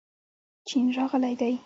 چین راغلی دی.